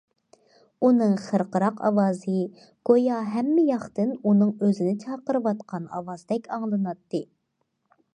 ئۇنىڭ خىرقىراق ئاۋازى، گويا ھەممە ياقتىن ئۇنىڭ ئۆزىنى چاقىرىۋاتقان ئاۋازدەك ئاڭلىناتتى.